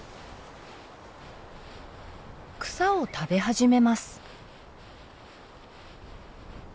草を食べ始めます。